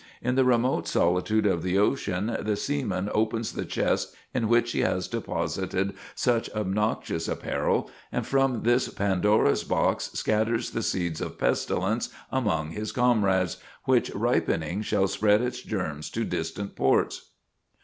In the remote solitude of the ocean the seaman opens the chest in which he has deposited such obnoxious apparel, and from this Pandora's box scatters the seeds of pestilence among his comrades, which, ripening, shall spread its germs to distant ports."